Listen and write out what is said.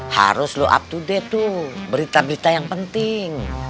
harus low up to date tuh berita berita yang penting